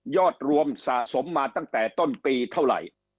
รวมสะสมมาตั้งแต่ต้นปีเท่าไหร่